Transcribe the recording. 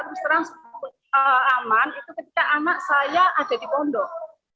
terus terang aman itu ketika anak saya ada di pondok